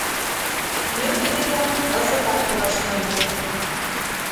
— Мӧр деке гын кызытак пураш ямде.